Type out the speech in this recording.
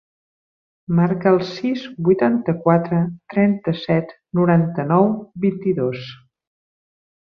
Marca el sis, vuitanta-quatre, trenta-set, noranta-nou, vint-i-dos.